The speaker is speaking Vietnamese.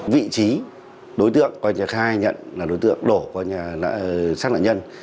vị trí đối tượng khai nhận là đối tượng đổ qua sát nạn nhân